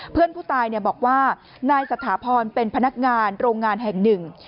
เพื่อนผู้ตายบอกว่านายสถาพรเป็นพนักงานโรงงานแห่งหนึ่ง